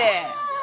あ。